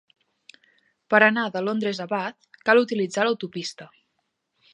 Per anar de Londres a Bath, cal utilitzar l'autopista